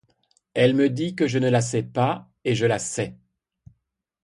Elle me dit que je ne la sais pas, et je la sais.